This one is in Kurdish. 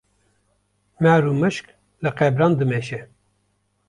Mar û mişk li qebran dimeşe